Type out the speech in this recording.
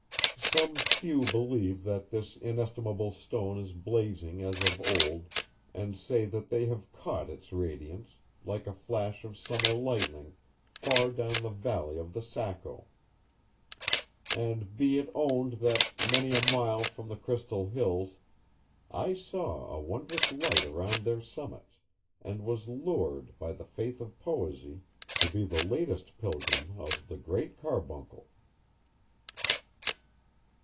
Some few believe that this inestimable stone is blazing as of old, and say that they have caught its radiance, like a flash of summer lightning, far down the valley of the Saco. And be it owned that, many a mile from the Crystal Hills, I saw a wondrous light around their summits, and was lured, by the faith of poesy, to be the latest pilgrim of the GREAT CARBUNCLE.